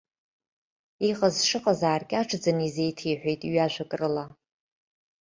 Иҟаз шыҟаз ааркьаҿӡаны изеиҭеиҳәеит, ҩажәак рыла.